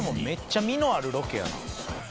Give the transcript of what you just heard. めっちゃ実のあるロケやな。